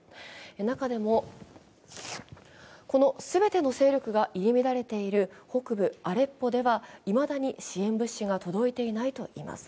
中でも、この全ての勢力が入り乱れている北部アレッポではいまだに支援物資が届いていないといいます。